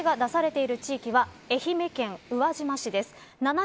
避難指示が出されている地域は愛媛県宇和島市です。